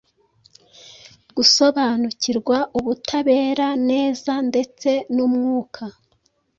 gusobanukirwa ubutabera neza ndetse n’umwuka